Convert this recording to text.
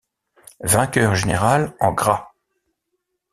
Vainqueur général en gras.